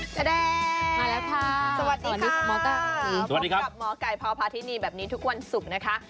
จ๊ะแด้งสวัสดีค่ะพบกับหมอไก่พภาธินีแบบนี้ทุกวันศุกร์นะคะ